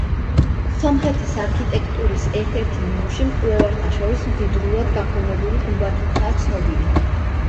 სომხეთის არქიტექტურის ერთ-ერთი ნიმუში მკვლევართა შორის მდიდრულად გაფორმებული გუმბათითაა ცნობილი.